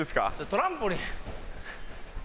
トランポリン。